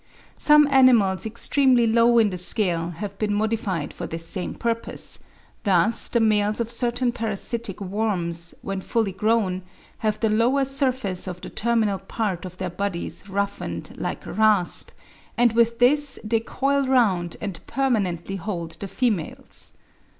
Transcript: Some animals extremely low in the scale have been modified for this same purpose; thus the males of certain parasitic worms, when fully grown, have the lower surface of the terminal part of their bodies roughened like a rasp, and with this they coil round and permanently hold the females.